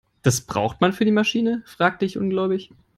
"Das braucht man für die Maschine?", fragte ich ungläubig.